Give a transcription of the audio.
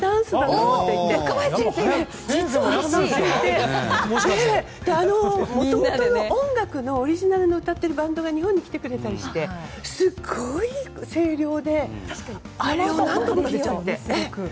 もともとの音楽のオリジナルを歌っている方が日本に来てくれたりしてすごい声量であれを何度も聴いちゃって。